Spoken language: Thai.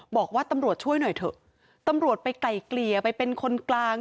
บอกว่าตำรวจช่วยหน่อยเถอะตำรวจไปไกลเกลี่ยไปเป็นคนกลาง